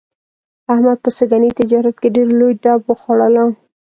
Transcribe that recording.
احمد په سږني تجارت کې ډېر لوی ډب وخوړلو.